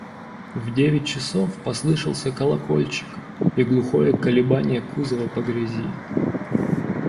В девять часов послышался колокольчик и глухое колебание кузова по грязи.